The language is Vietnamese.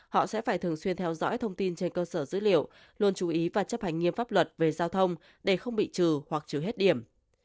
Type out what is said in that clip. họ sẽ phải thường xuyên theo dõi thông tin trên cơ sở dữ liệu luôn chú ý và chấp hành nghiêm pháp luật về giao thông để không bị trừ hoặc trừ hết điểm